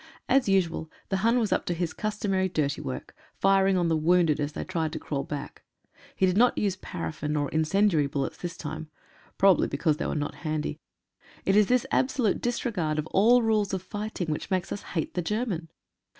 As usual, the Hun was up to his customary dirty work — firing on the wounded as they tried to crawl back. He did not use paraffin, or incendiary bul lets this time, probably because they were not handy. It is this absolute disregard of all rules of fighting which makes us hate the German.